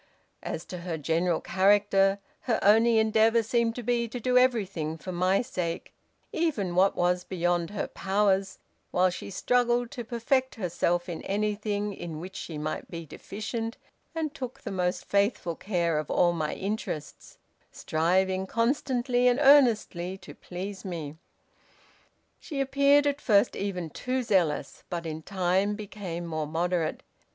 As to her general character, her only endeavor seemed to be to do everything for my sake, even what was beyond her powers, while she struggled to perfect herself in anything in which she might be deficient, and took the most faithful care of all my interests, striving constantly and earnestly to please me. She appeared at first even too zealous, but in time became more moderate.